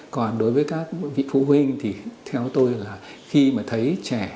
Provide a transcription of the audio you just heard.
còn đối với các vị phụ huynh thì theo tôi là khi mà thấy trẻ